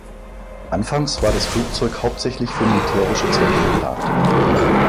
Anfangs war das Flugzeug hauptsächlich für militärische Zwecke geplant.